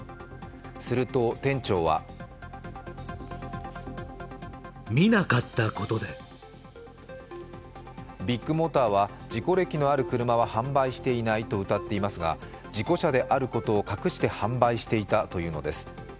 すると店長はビッグモーターは事故歴のある車は販売していないとうたっていますが、事故車であることを隠して販売していたというのです。